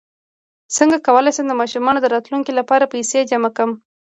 څنګ کولی شم د ماشومانو د راتلونکي لپاره پیسې جمع کړم